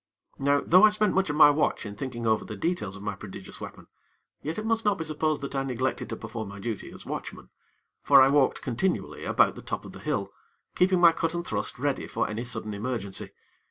Now, though I spent much of my watch in thinking over the details of my prodigious weapon, yet it must not be supposed that I neglected to perform my duty as watchman; for I walked continually about the top of the hill, keeping my cut and thrust ready for any sudden emergency.